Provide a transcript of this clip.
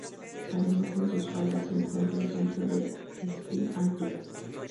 Además, en sus faldas se encuentra el centro de esquí Antuco.